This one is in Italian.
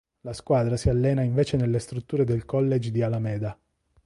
La squadra si allena invece nelle strutture del College di Alameda.